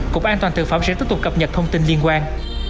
cục an toàn thực phẩm sẽ tiếp tục cập nhật thông tin liên quan